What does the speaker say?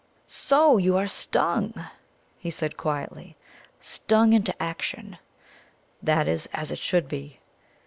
"So! You are stung!" he said quietly; "stung into action. That is as it should be.